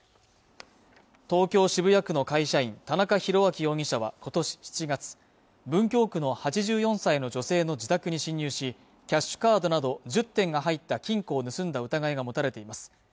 東京渋谷区の会社員田中広明容疑者は今年７月文京区の８４歳の女性の自宅に侵入しキャッシュカードなど１０点が入った金庫を盗んだ疑いが持たれています